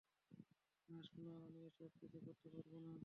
না, শোন, আমি এসব কিছু করতে পারবো না।